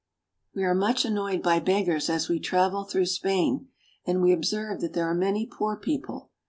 We are much annoyed by beggars as we travel through Spain ; and we observe that there are many poor people.